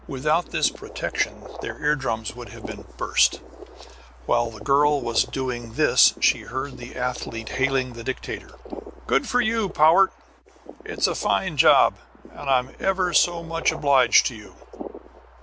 Without this protection their eardrums would have been burst. And while the girl was doing this she heard the athlete hailing the dictator: "Good for you, Powart! It's a fine job, and I'm ever so much obliged to you."